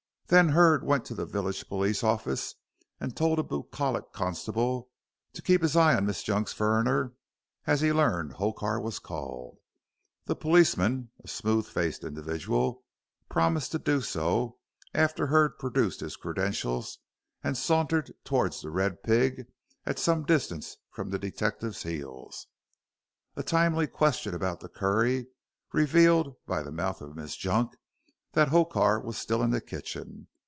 Then Hurd went to the village police office, and told a bucolic constable to keep his eye on Miss Junk's "fureiner," as he learned Hokar was called. The policeman, a smooth faced individual, promised to do so, after Hurd produced his credentials, and sauntered towards "The Red Pig," at some distance from the detective's heels. A timely question about the curry revealed, by the mouth of Miss Junk, that Hokar was still in the kitchen.